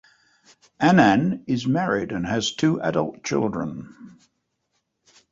Annan is married and has two adult children.